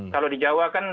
kalau di jawa kan